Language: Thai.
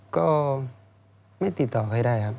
ก็ไม่ติดต่อใครได้ครับ